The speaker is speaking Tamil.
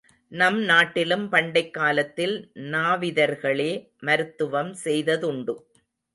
நம் நாட்டிலும் பண்டைக் காலத்தில் நாவிதர்களே மருத்துவம் செய்ததுண்டு.